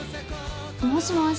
もしもし。